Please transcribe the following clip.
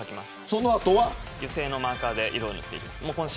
その後は油性のマーカーで色を塗っていきます。